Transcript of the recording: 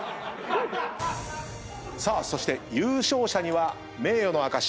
そして優勝者には名誉の証し